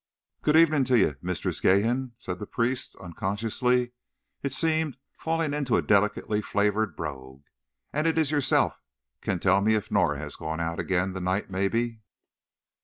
"Good evening to ye, Mistress Geehan," said the priest, unconsciously, it seemed, falling into a delicately flavoured brogue. "And is it yourself can tell me if Norah has gone out again, the night, maybe?"